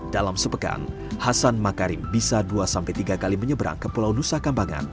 dalam sepekan hasan makarim bisa dua tiga kali menyeberang ke pulau nusa kambangan